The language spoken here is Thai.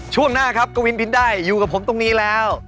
ช่วงหน้าครับกวินบินได้อยู่กับผมตรงนี้แล้ว